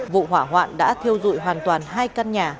vụ hỏa hoạn đã thiêu dụi hoàn toàn hai căn nhà